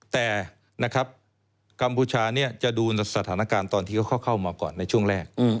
แต่นะครับกัมพูชาจะดูสถานการณ์ตอนที่เขาเข้ามาก่อนในช่วงแรก